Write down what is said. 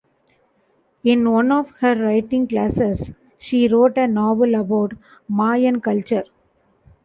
In one of her writing classes, she wrote a novel about Mayan culture.